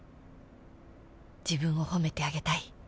自分を褒めてあげたい